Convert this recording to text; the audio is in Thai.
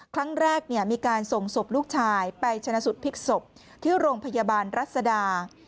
ครั้งแรกมีการส่งศพลูกชายไปชนะสุดพลิกศพที่โรงพยาบาลรัศดา